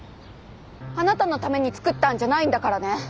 あなたのために作ったんじゃないんだからね！